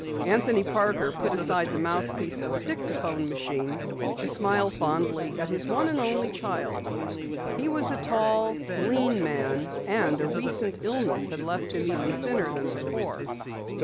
Anthony Parker put aside the mouthpiece of a dictaphone machine to smile fondly at his one and only child. He was a tall, lean man and a recent illness had left him even thinner than before.